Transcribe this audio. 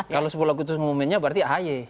kalau sepuluh agustus ngumuminnya berarti ahy